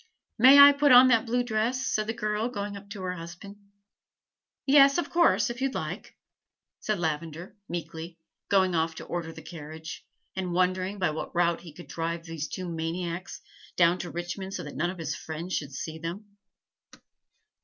"May I put on that blue dress?" said the girl, going up to her husband. "Yes, of course, if you like," said Lavender meekly, going off to order the carriage, and wondering by what route he could drive those two maniacs down to Richmond so that none of his friends should see them.